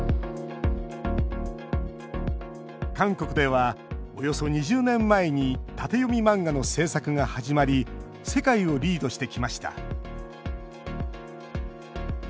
韓国では、およそ２０年前に縦読み漫画の制作が始まり世界をリードしてきました